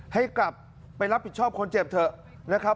ให้กลับไปรับผิดชอบคนเจ็บเถอะนะครับ